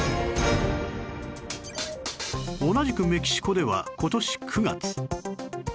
同じくメキシコでは今年９月